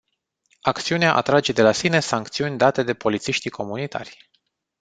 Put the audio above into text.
Acțiunea atrage de la sine sancțiuni date de polițiștii comunitari.